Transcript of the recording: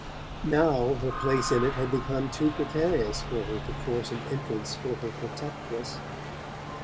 Now her place in it had become too precarious for her to force an entrance for her protectress.